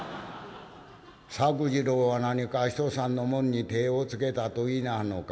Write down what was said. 「作治郎は何か他人さんの物に手をつけたと言いなはんのか？」。